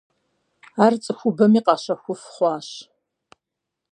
Ар цӏыхубэми къащэхуф хъуащ.